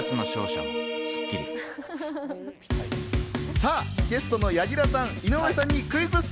さぁ、ゲストの柳楽さん、井上さんにクイズッス！